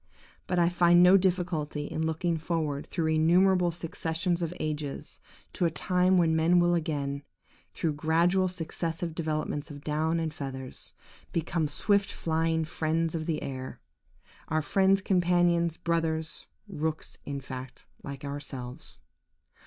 But I find no difficulty in looking forward through innumerable successions of ages to a time when men will again, through gradual successive developments of down and feathers, become swift flying birds of the air; our friends, companions, brothers–rooks, in fact, like ourselves.